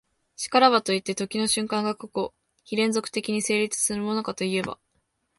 然らばといって、時の瞬間が個々非連続的に成立するものかといえば、